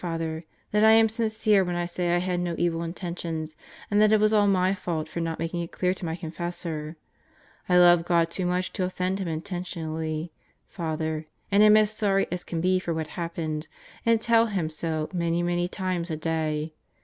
Father, that I am sincere when I say I had no evil intentions and that it was all my fault for not making it clear to my Confessor. I love God too much to offend Him intentionally, Father, and am as sorry as can be for what happened, and tell Him so, many, many times a day.